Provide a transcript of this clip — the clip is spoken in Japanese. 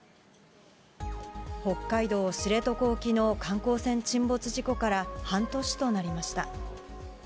北海道知床沖の観光船沈没事故から半年となりました。